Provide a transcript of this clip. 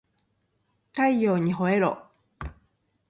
太陽にほえろ